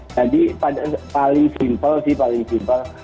jadi paling simpel sih paling simpel